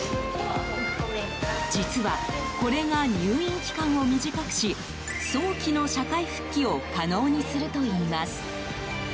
実は、これが入院期間を短くし早期の社会復帰を可能にするといいます。